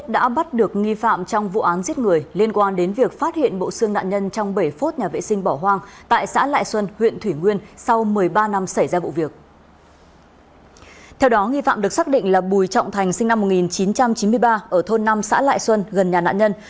theo đó nghi phạm được xác định là bùi trọng thành sinh năm một nghìn chín trăm chín mươi ba ở thôn năm xã lại xuân gần nhà nạn nhân